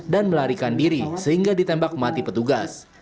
dan melarikan diri sehingga ditembak mati petugas